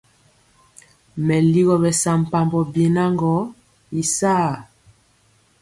Meligɔ bɛsampambɔ biena gɔ y saa.